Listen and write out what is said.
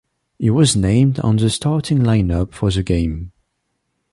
He was named on the starting line-up for the game.